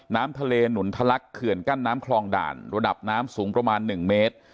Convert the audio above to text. น้ำทะเลหนุนทะลักเขื่อนกั้นน้ำคลองด่านระดับน้ำสูงประมาณ๑เมตร